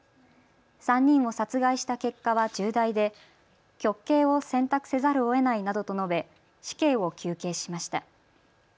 ３人を殺害した結果は重大で極刑を選択せざるをえないなどと述べ死刑を求刑しました。